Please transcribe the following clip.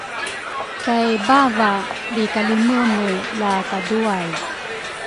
kay bava lrikaliememe la kaduay.